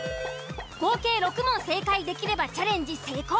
合計６問正解できればチャレンジ成功。